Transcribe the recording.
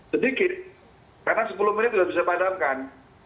sedikit karena sepuluh menit sudah bisa padamkan